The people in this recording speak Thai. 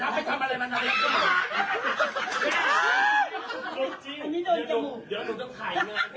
ไปทำอะไรกันหวา